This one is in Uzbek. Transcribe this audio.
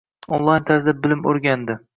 Onlayn tarzda bilim oʻrgandi.